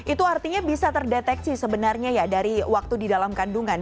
itu artinya bisa terdeteksi sebenarnya ya dari waktu di dalam kandungan